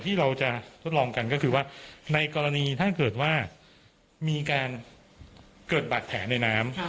ที่เราจะทดลองกันก็คือว่าในกรณีถ้าเกิดว่ามีการเกิดบาดแผลในน้ำ